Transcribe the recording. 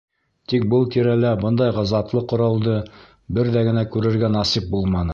Тик был тирәлә бындай затлы ҡоралды бер ҙә генә күрергә насип булманы...